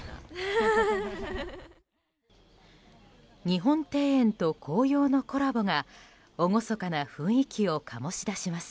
日本庭園と紅葉のコラボが厳かな雰囲気を醸し出します。